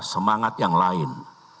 semangat yang lain